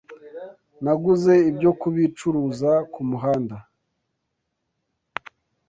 Naguze ibyo kubicuruza kumuhanda.